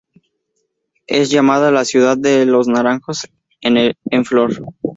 Es llamada "La Ciudad de los Naranjos en Flor".